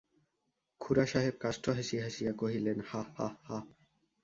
খুড়াসাহেব কাষ্ঠহাসি হাসিয়া কহিলেন, হা হা হা!